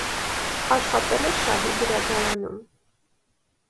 Աշխատել է շահի գրադարանում։